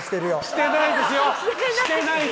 してないですよ！